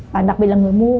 và đặc biệt là người mua